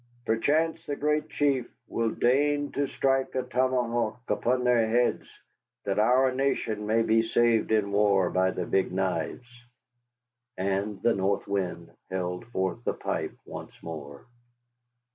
Perchance the Great Chief will deign to strike a tomahawk into their heads, that our nation may be saved in war by the Big Knives." And the North Wind held forth the pipe once more.